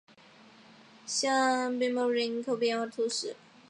香槟穆通人口变化图示